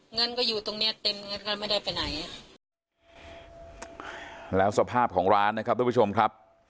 เงินก็อยู่ตรงเนี้ยเต็มเงินก็ไม่ได้ไปไหนแล้วสภาพของร้านนะครับทุกผู้ชมครับ